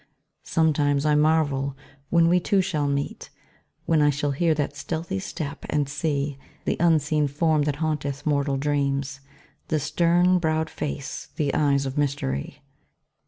Sometimes I marvel when we two shall meet, When I shall hear that stealthy step, and see The unseen form that haunteth mortal dreams, The stern browed face, the eyes of mystery.